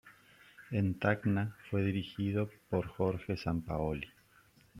En Tacna fue dirigido por Jorge Sampaoli.